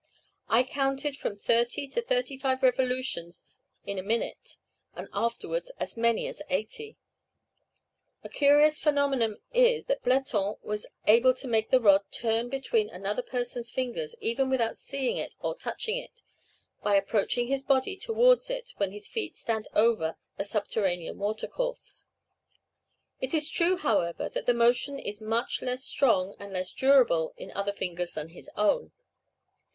I counted from thirty to thirty five revolutions in a minute, and afterwards as many as eighty. A curious phenomenon is, that Bleton is able to make the rod turn between another person's fingers, even without seeing it or touching it, by approaching his body towards it when his feet stand over a subterranean watercourse. It is true, however, that the motion is much less strong and less durable in other fingers than his own.